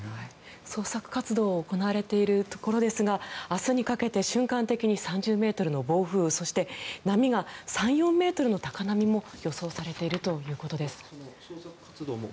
捜索活動が行われているところですが明日にかけて瞬間的に３０ｍの暴風そして波が３４ｍの高波も予想されているということです。